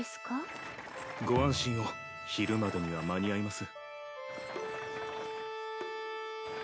ご安心を昼までには間に合います。